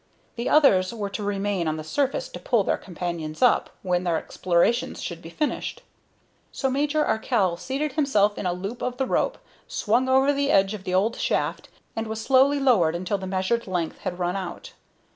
The others were to remain on the surface to pull their companions up, when their explorations should be finished. So Major Arkell seated himself in a loop of the rope, swung over the edge of the old shaft, and was slowly lowered until the measured length had run out.